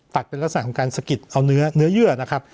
เป็นลักษณะของการสะกิดเอาเนื้อเยื่อนะครับ